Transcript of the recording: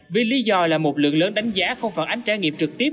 vì lý do là một lượng lớn đánh giá không phản ánh trải nghiệm trực tiếp